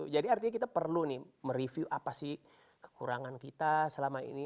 jadi artinya kita perlu nih mereview apa sih kekurangan kita selama ini